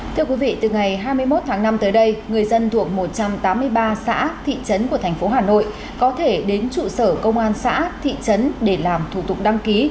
thưa quý vị từ ngày hai mươi một tháng năm tới đây người dân thuộc một trăm tám mươi ba xã thị trấn của thành phố hà nội có thể đến trụ sở công an xã thị trấn để làm thủ tục đăng ký